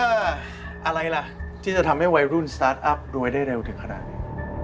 อะไรล่ะที่จะทำให้วัยรุ่นสตาร์ทอัพรวยได้เร็วถึงขนาดนี้